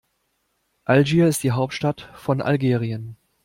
Algier ist die Hauptstadt von Algerien.